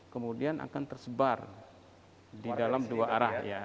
kemudian akan tersebar di dalam dua arah